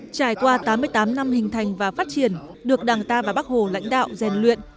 trải qua tám mươi tám năm hình thành và phát triển được đảng ta và bác hồ lãnh đạo rèn luyện